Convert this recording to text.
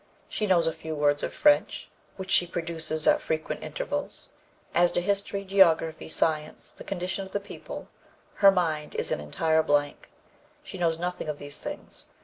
She knows a few words of French, which she produces at frequent intervals; as to history, geography, science, the condition of the people, her mind is an entire blank; she knows nothing of these things.